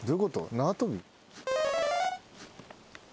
縄跳び？